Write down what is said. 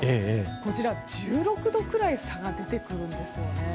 こちら、１６度くらい差が出てくるんですよね。